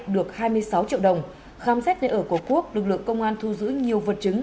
được hai mươi sáu triệu đồng khám xét nơi ở của quốc lực lượng công an thu giữ nhiều vật chứng